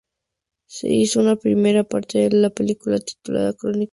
Se hizo una primera parte de la película, titulada "Crónica del alba.